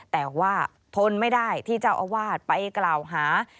แต่ว่าทนไม่ได้ที่เจ้าอาวาสไปกล่าวหา